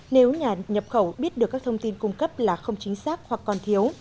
nếu nhà nhập khẩu biết được các thông tin cung cấp là không chính xác hoặc còn thiếu